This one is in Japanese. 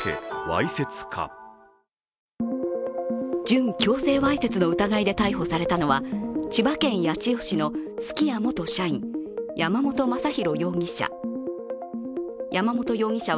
準強制わいせつの疑いで逮捕されたのは千葉県八千代市のすき家元社員山本将寛容疑者。